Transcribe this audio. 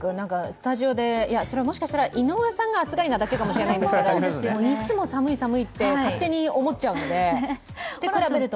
スタジオで、それ、もしかしたら井上さんが暑がりなだけかもしれないんですけれども、いつも寒い寒いって勝手に思っちゃうので、比べると。